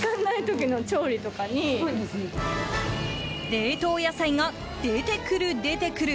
冷凍野菜が出てくる出てくる。